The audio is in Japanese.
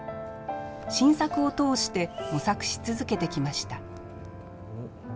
新作を通して模索し続けてきました。